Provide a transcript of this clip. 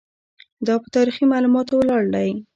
دا په تاریخي معلوماتو ولاړ دی.